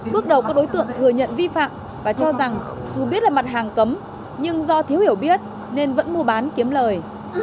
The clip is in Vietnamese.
bước đầu các đối tượng thừa nhận vi phạm và cho rằng dù biết là mặt hàng cấm nhưng do thiếu hiểu biết nên vẫn mua bán kiếm lời